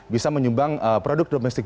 bisa menyumbang produk domestik